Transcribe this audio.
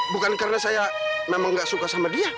bukan karena saya memang gak suka sama dia